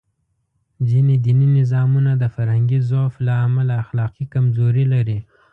ځینې دیني نظامونه د فرهنګي ضعف له امله اخلاقي کمزوري لري.